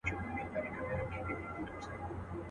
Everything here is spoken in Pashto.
ته سینې څیره له پاسه د مرغانو.